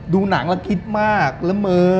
ดูหนังแล้วคิดมากละเมอ